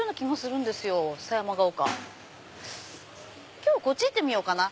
今日こっち行ってみようかな。